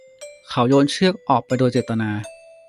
เขาโยนเชือกออกไปโดยเจตนา